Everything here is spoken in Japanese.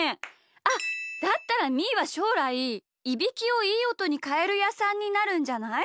あっだったらみーはしょうらいいびきをいいおとにかえるやさんになるんじゃない？